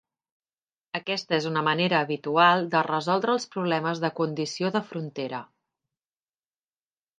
Aquesta és una manera habitual de resoldre els problemes de condició de frontera.